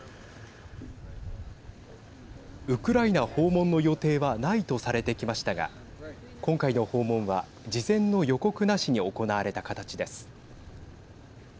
ウクライナ訪問の予定はないとされてきましたが今回の訪問は事前の予告なしに行われた形です。